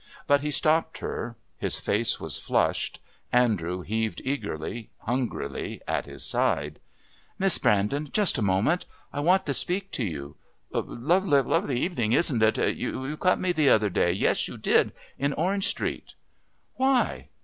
But he stopped her. His face was flushed. Andrew heaved eagerly, hungrily, at his side. "Miss Brandon. Just a moment. I want to speak to you. Lovely evening, isn't it?...You cut me the other day. Yes, you did. In Orange Street." "Why?"